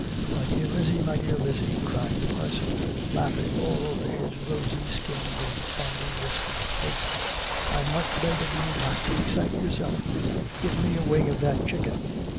'My dear Lizzie, my dear Lizzie,' cried the parson, laughing all over his rosy skinned and sandy whiskered face, 'I must beg of you not to excite yourself. Give me a wing of that chicken.